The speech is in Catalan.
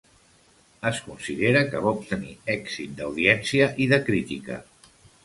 Es considera que va obtenir èxit d'audiència i de crítica.